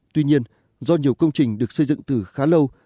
tuy nhiên do nhiều công trình được xây dựng từ khá lâu